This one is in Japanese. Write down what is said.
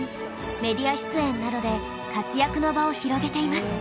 メディア出演などで活躍の場を広げています。